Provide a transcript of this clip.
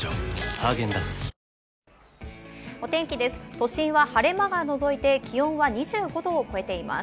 都心は晴れ間がのぞいて気温は２５度を超えています。